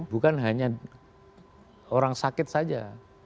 bukan hanya orang sakit saja